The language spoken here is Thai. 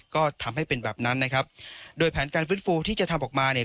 ก็ทำให้เป็นแบบนั้นนะครับโดยแผนการฟื้นฟูที่จะทำออกมาเนี่ย